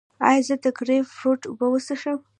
ایا زه د ګریپ فروټ اوبه وڅښم؟